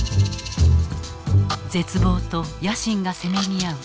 絶望と野心がせめぎ合う